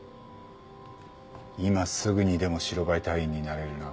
今すぐにでも白バイ隊員になれるな。